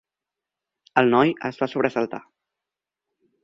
El noi es va sobresaltar.